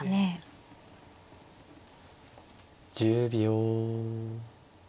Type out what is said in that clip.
１０秒。